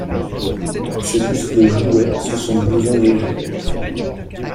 Ses muscles jouaient sous son blouson léger.